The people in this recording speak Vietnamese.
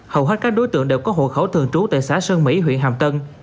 hầu hết các đối tượng đều có hộ khẩu thường trú tại xã sơn mỹ huyện hàm tân